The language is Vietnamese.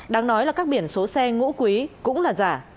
đáng nói là các biển số xe ngũ quý cũng là giả